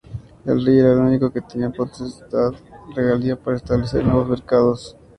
El rey era el único que tenía potestad –regalía– para establecer nuevos mercados.